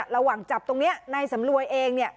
ระหว่างจับตรงนี้นายสำรวยเองเนี่ย